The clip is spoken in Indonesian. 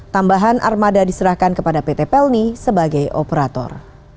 tambahan armada diserahkan kepada pt pelni sebagai operator